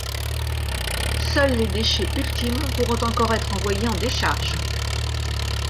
Seuls les déchets ultimes pourront encore être envoyé en décharge.